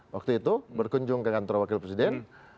waktu itu berkunjung ke kantor wakil presiden